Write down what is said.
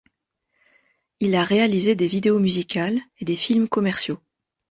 Il a réalisé des vidéos musicales et des films commerciaux.